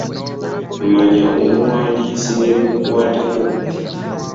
Manya omuwandiisi n'ebimukwatako.